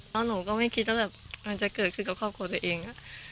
แล้วหนูก็ไม่คิดว่าแบบมันจะเกิดขึ้นกับครอบครัวตัวเอง